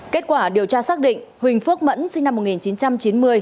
kết quả điều tra xác định huỳnh phước mẫn sinh năm một nghìn chín trăm chín mươi